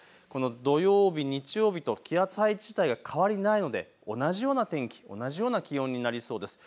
土曜日、日曜日と気圧配置自体が変わりないので同じような天気、同じような気温になりそうです。